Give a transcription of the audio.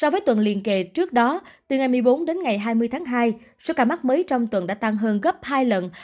so với tuần liên kề trước đó từ ngày một mươi bốn đến ngày hai mươi tháng hai số ca mắc mới trong tuần đã tăng hơn gấp hai lần